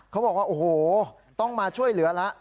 เขาบอกว่าโอ้โหต้องมาช่วยเหลือแล้ว